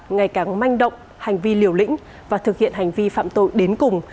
ngày càng manh động hành vi liều lĩnh và thực hiện hành vi phạm tội đến cùng